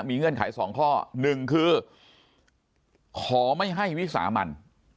เงื่อนไขสองข้อหนึ่งคือขอไม่ให้วิสามัน